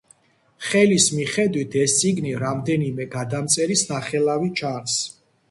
ხელის მიხედვით ეს წიგნი რამდენიმე გადამწერის ნახელავი ჩანს.